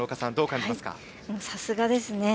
さすがですね。